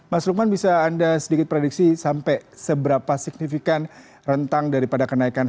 mas lukman bisa anda sedikit prediksi sampai seberapa signifikan rentang daripada kenaikan